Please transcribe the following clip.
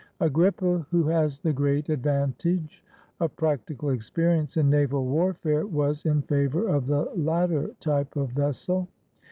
Agrippa, who has the great advantage of practical experience in naval warfare, was in favor of the latter type of vessel.